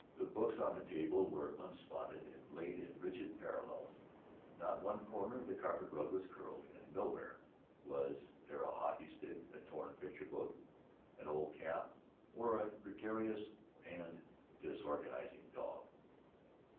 The books on the table were unspotted and laid in rigid parallels; not one corner of the carpet rug was curled; and nowhere was there a hockey stick, a torn picture book, an old cap, or a gregarious and disorganizing dog.